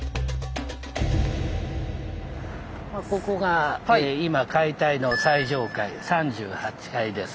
ここが今解体の最上階３８階です。